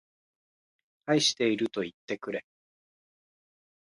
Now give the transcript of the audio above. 愛しているといってくれ